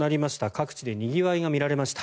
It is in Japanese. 各地でにぎわいが見られました。